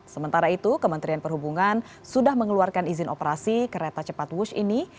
sementara itu kementerian perhubungan sudah mengeluarkan izin operasi kereta cepat wush ini